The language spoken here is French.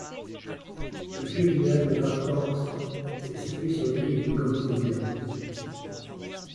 Le vieux village de Grafhorst est situé sur les rives du Ganzediep.